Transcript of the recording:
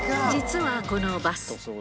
実はこのバス。